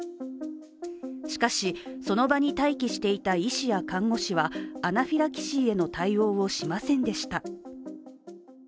しかしその場に待機していた医師や看護師はアナフィラキシーへの対応をしませんでした。